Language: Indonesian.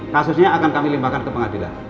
kasusnya akan kami limbahkan ke pengadilan